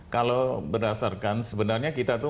kalau berdasarkan sebenarnya kita tuh